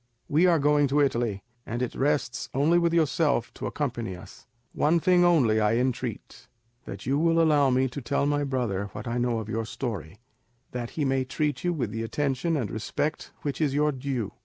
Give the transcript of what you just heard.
We are going to Italy, and it rests only with yourself to accompany us. One thing only I entreat, that you will allow me to tell my brother what I know of your story, that he may treat you with the attention and respect which is your due.